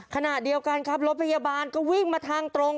ขณะเดียวกันครับรถพยาบาลก็วิ่งมาทางตรง